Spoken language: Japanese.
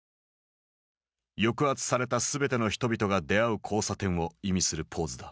「抑圧された全ての人々が出会う交差点」を意味するポーズだ。